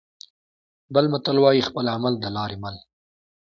بل متل وايي: خپل عمل د لارې مل.